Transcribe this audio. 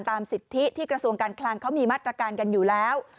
สิทธิที่กระทรวงการคลังเขามีมาตรการกันอยู่แล้ว